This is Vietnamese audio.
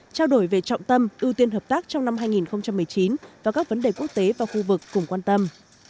trao đổi về trọng tâm ưu tiên hợp tác trong năm hai nghìn một mươi chín và các vấn đề quốc tế và khu vực cùng quan tâm